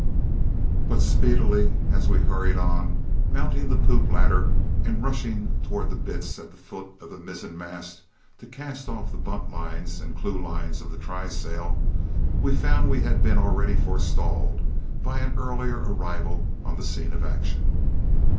But, speedily as we had hurried, on mounting the poop ladder and rushing towards the bitts at the foot of the mizzenmast to cast off the bunt lines and clewlines of the trysail we found we had been already forestalled by an earlier arrival on the scene of action.